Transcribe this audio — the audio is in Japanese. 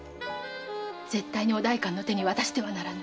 〔絶対にお代官の手に渡してはならぬ〕